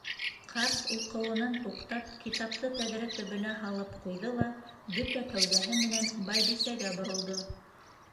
Ҡарт, уҡыуынан туҡтап, китапты тәҙрә төбөнә һалып ҡуйҙы ла бөтә кәүҙәһе менән байбисәгә боролдо: